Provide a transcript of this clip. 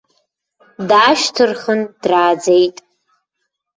Даашьҭырхын драаӡеит.